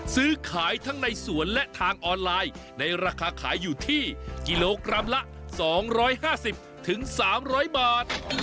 ซื้อขายทั้งในสวนและทางออนไลน์ในราคาขายอยู่ที่กิโลกรัมละ๒๕๐๓๐๐บาท